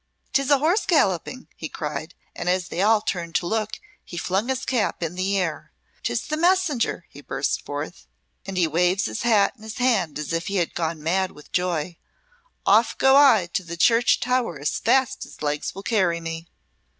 "'Tis a horse galloping," he cried; and as they all turned to look he flung his cap in the air. "'Tis the messenger," he burst forth, "and he waves his hat in his hand as if he had gone mad with joy. Off go I to the church tower as fast as legs will carry me."